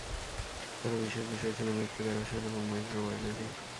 তাঁর বিশেষ বিষয় ছিল মৃত্তিকা রসায়ন এবং মাইক্রোবায়োলজি।